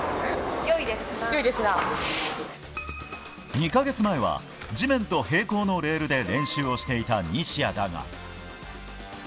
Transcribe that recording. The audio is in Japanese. ２か月前は地面と平行のレールで練習をしていた西矢だが。